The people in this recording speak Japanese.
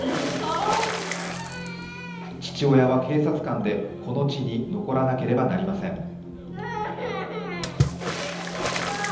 父親は警察官で、この地に残らなければなりません。